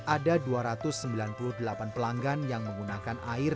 ada dua ratus sembilan puluh delapan pelanggan yang menggunakan air